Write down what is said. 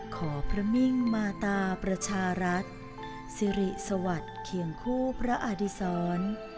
ขอพระมิ่งมาตาประชารัฐสิริสวัสดิ์เคียงคู่พระอดิษร